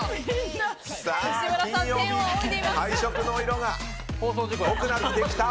金曜日敗色の色が濃くなってきた。